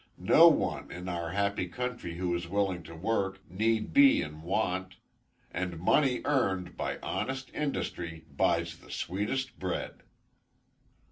No one, in our happy country who is willing to work, need be in want; and money earned by honest industry buys the sweetest bread."